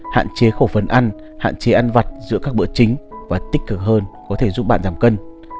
hạn chế khẩu phấn ăn hạn chế ăn vặt giữa các bữa chính và tích cực hơn có thể giúp bạn giảm cân